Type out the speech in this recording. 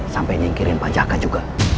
sampai nyingkirin pajaka juga